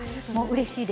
うれしい。